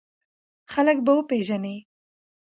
خلک به وپېژنې!